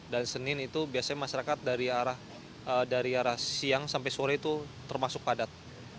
dan senin itu biasanya masyarakat dari arah siang sampai sore itu termasuk padat